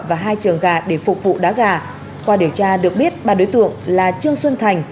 và hai trường gà để phục vụ đá gà qua điều tra được biết ba đối tượng là trương xuân thành